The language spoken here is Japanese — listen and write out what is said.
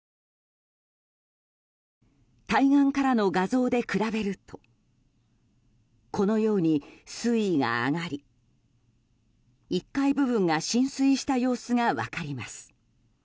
対岸からの画像で比べるとこのように、水位が上がり１階部分が浸水した様子が分かります。